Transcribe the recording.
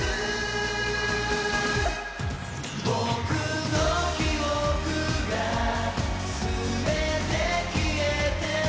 「僕の記憶が全て消えても」